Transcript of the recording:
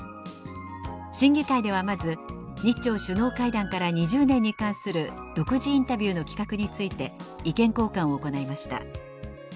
審議会ではまず日朝首脳会談から２０年に関する独自インタビューの企画について意見交換を行いました。